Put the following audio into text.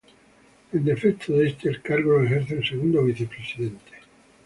En defecto de este, el cargo lo ejerce el segundo vicepresidente.